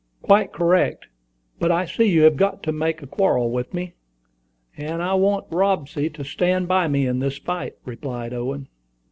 "Quite correct; but I see you have got to make a quarrel with me; and I want Robsy to stand by me in this fight," replied Owen.